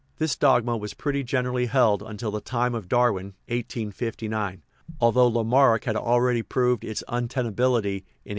This dogma was pretty generally held until the time of Darwin (1859), although Lamarck had already proved its untenability in 1809.